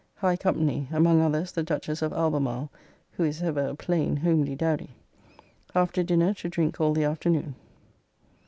High company; among others the Duchess of Albemarle, who is ever a plain homely dowdy. After dinner, to drink all the afternoon.